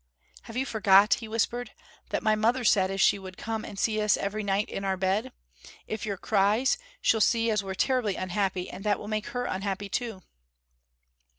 "Have you forgot," he whispered, "that my mother said as she would come and see us every night in our bed? If yer cries, she'll see as we're terrible unhappy, and that will make her unhappy too."